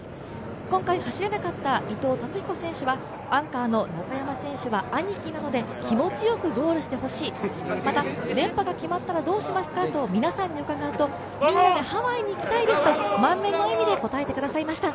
今回走れなかった伊藤達彦選手は、アンカーの木村選手は兄貴なので気持ちよくゴールしてほしい、また連覇が決まったらどうしますかと皆さんに伺うと、みんなでハワイに行きたいですと満面の笑みで答えてくださいました。